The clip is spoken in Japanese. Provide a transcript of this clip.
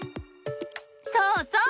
そうそう！